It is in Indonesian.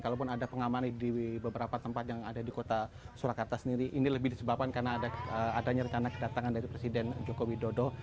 kalaupun ada pengamanan di beberapa tempat yang ada di kota surakarta sendiri ini lebih disebabkan karena adanya rencana kedatangan dari presiden joko widodo